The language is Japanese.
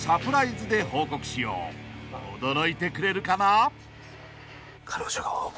［驚いてくれるかな？］